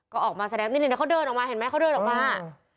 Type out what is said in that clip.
ก็ออกมาแสดงนิดนึงเขาเดินออกมาเห็นไหมเขาเดินออกมา